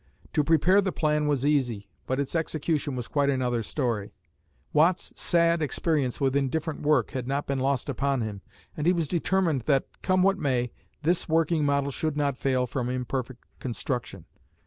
To prepare the plan was easy, but its execution was quite another story. Watt's sad experience with indifferent work had not been lost upon him, and he was determined that, come what may, this working model should not fail from imperfect construction.